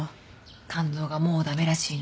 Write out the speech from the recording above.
肝臓がもう駄目らしいの。